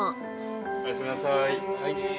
おやすみなさい。